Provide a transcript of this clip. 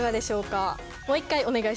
もう一回お願いします。